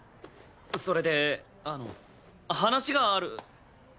それであの話がある。